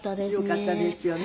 よかったですよね。